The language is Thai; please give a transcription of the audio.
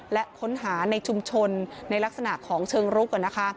และค้นหาในชุมชนในลักษณะของเชิงรุก